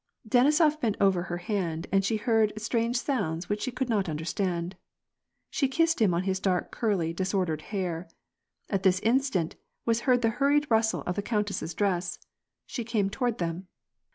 Denisof bent over her hand, and she heard strange sounds which she could not understand. She kissed him on his dark, curly, disordered hair. At this instant, was heard the hurried rustle of the countess's dress. She came toward them.